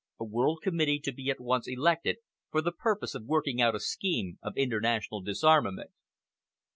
A world committee to be at once elected for the purpose of working out a scheme of international disarmament.